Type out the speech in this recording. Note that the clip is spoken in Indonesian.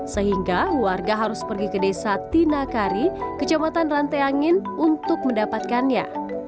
sehingga warga harus pergi ke desa tinakari kecamatan rantai angin untuk mendapatkannya